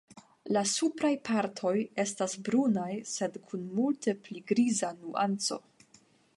La supraj partoj estas brunaj sed kun multe pli griza nuanco.